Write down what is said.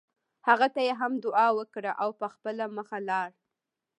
هغه ته یې هم دعا وکړه او په خپله مخه لاړ.